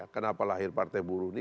kenapa lahir partai buruh ini